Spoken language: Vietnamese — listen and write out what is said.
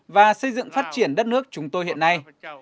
và xây dựng phát triển đất nước chúng tôi hiện nay